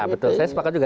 betul saya sepakat juga